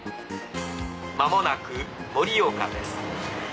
間もなく盛岡です。